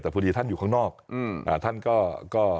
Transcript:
แต่พอดีท่านอยู่ข้างนอก